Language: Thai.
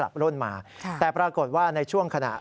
พระบุว่าจะมารับคนให้เดินทางเข้าไปในวัดพระธรรมกาลนะคะ